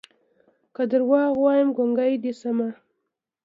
که دروغ وايم ګونګې دې شمه